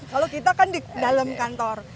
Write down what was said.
kalau kita kan di dalam kantor